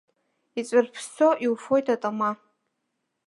Ицәырԥссо иуфоит атама.